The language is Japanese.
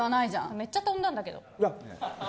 めっちゃ飛んだんだけど。